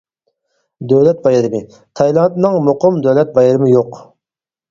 دۆلەت بايرىمى: تايلاندنىڭ مۇقىم دۆلەت بايرىمى يوق.